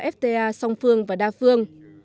fta song phương và đa phương